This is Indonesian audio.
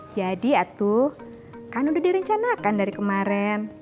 jadi atu kan udah direncanakan dari kemarin